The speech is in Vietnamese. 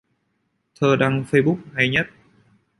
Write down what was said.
Thơ đăng facebook hay nhất